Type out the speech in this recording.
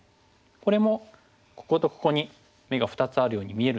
これもこことここに眼が２つあるように見えるんですね。